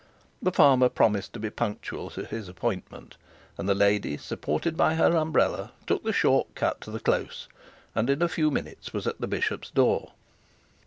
The farmer promised to be punctual to his appointment, and the lady, supported by her umbrella, took the short cut to the close, and in a few minutes was at the bishop's door.